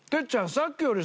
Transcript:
さっきよりさ